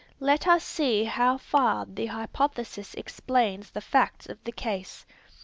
Let us see how far the hypothesis explains the facts of the case.